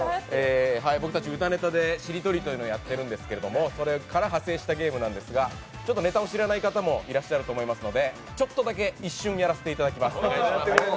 僕たち歌ネタで、しりとりというのをやってるんですけども、それから派生したゲームなんですが、ネタを知らない方もいらっしゃると思うのでちょっとだけ一瞬やらせていただきます。